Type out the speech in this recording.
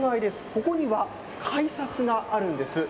ここには改札があるんです。